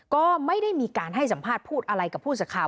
ก็ไม่ได้มีการให้สัมภาษณ์พูดอะไรกับผู้สื่อข่าว